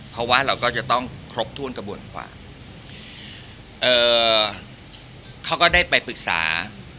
เพราะว่าเราก็จะต้องครบถ้วนกระบวนความเอ่อเขาก็ได้ไปปรึกษา